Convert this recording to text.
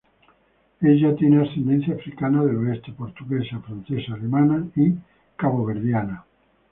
Ella tiene ascendencia Africana del oeste, Portuguesa, Francesa, Alemana y Caboverdiana.